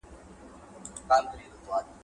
د دولت سقوط مراحل د اصولي څېړنو له امله دي.